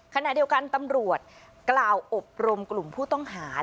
ขณะเดียวกันตำรวจกล่าวอบรมกลุ่มผู้ต้องหา